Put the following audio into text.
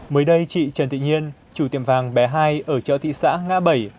mới đây chị trần thị nhiên chủ tiệm vàng bé hai ở chợ thị xã ngã bảy